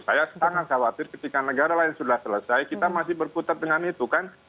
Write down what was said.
saya sangat khawatir ketika negara lain sudah selesai kita masih berputar dengan itu kan